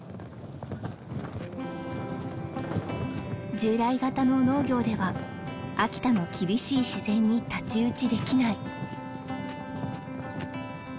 従来型の農業では秋田の厳しい自然に太刀打ちできない。